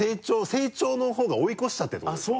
成長の方が追い越しちゃってるてことでしょ？